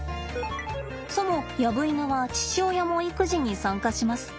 そもヤブイヌは父親も育児に参加します。